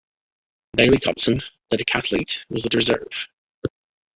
Daley Thompson, the decathlete, was a reserve.